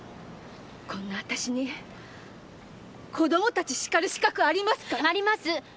こんな私に子供たち叱る資格ありますか！？あります！